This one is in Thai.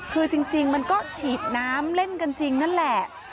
คือจริงมันก็ฉีดน้ำเล่นกันจริงนั่นแหละ